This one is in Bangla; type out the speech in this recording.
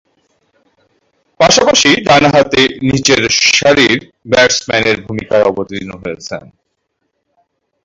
পাশাপাশি ডানহাতে নিচের সারির ব্যাটসম্যানের ভূমিকায় অবতীর্ণ হয়েছেন।